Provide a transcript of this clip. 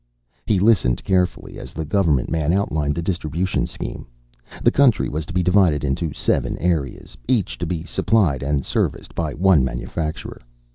He listened carefully as the government man outlined the distribution scheme. The country was to be divided into seven areas, each to be supplied and serviced by one manufacturer.